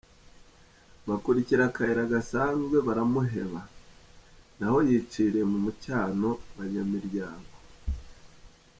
Bakurikira akayira gasanzwe baramuheba; naho yiciriye mu mucyamo wa Nyamilyango.